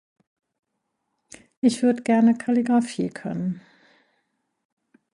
Ich würd gerne Kaligrafie können.